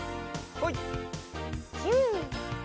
はい。